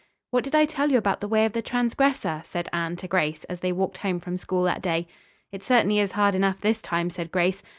"What did I tell you about the way of the transgressor?" said Anne to Grace, as they walked home from school that day. "It certainly is hard enough this time," said Grace.